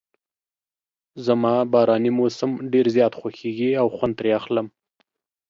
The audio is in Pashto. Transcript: زما باراني موسم ډېر زیات خوښیږي او خوند ترې اخلم.